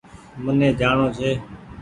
مهني جآڻو ڇي